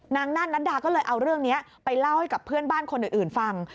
นานนัดดาก็เลยเอาเรื่องนี้ไปเล่าให้กับเพื่อนบ้านคนอื่นฟัง